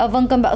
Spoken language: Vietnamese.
vâng cơm bác